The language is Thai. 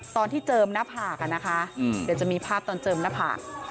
เจิมหน้าผากนะคะเดี๋ยวจะมีภาพตอนเจิมหน้าผาก